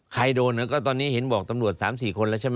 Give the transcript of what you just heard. ใครโดนก็ตอนนี้เห็นบอกตำรวจ๓๔คนแล้วใช่ไหม